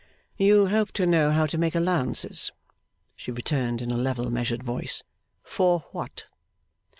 'You hope to know how to make allowances?' she returned, in a level, measured voice. 'For what?